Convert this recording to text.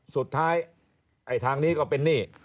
สุดท้ายไอ้ทางนี้ก็เป็นหนี้